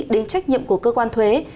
đến trách nhiệm của cơ quan thuế